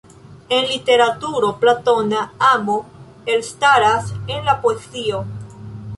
En literaturo platona amo elstaras en la poezio.